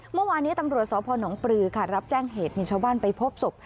เมื่อวานนี้ตำรวจสพนปลือค่ะรับแจ้งเหตุมีชาวบ้านไปพบศพ